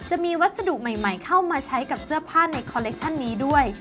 จะมีวัสดุใหม่เข้ามาใช้กับเสื้อผ้าในคอลเลคชั่นนี้ด้วย